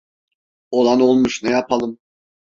Olan olmuş ne yapalım…